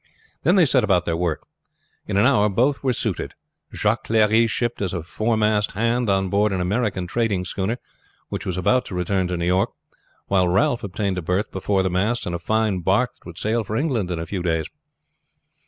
Then they set about their work. In an hour both were suited. Jacques Clery shipped as a foremast hand on board an American trading schooner, which was about to return to New York; while Ralph obtained a berth before the mast in a fine bark that would sail for England in a few days.